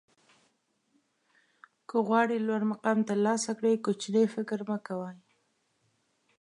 که غواړئ لوړ مقام ترلاسه کړئ کوچنی فکر مه کوئ.